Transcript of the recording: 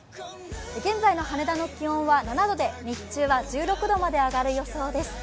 現在の羽田の気温は７度で、日中は１６度まで上がる予想です。